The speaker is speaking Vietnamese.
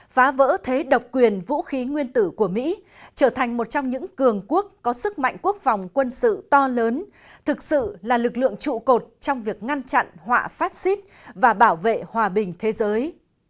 phá vỡ thế độc quyền vũ khí nguyên tử của mỹ trở thành một trong những cường quốc có sức mạnh quốc phòng quân sự to lớn thực sự là lực lượng trụ cột trong việc ngăn chặn họa phát xít và bảo vệ hòa bình thế giới